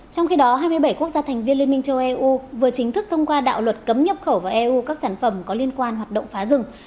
trong khi đó hai mươi bảy quốc gia thành viên liên minh châu âu vừa chính thức thông qua đạo luật cấm nhập khẩu vào eu các sản phẩm có liên quan hoạt động phá rừng